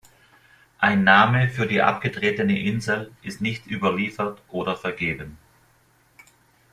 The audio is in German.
Ein Name für die abgetrennte Insel ist nicht überliefert oder vergeben.